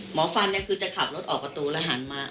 หมอฟันคือจะขับรถออกประตูแล้วหันมา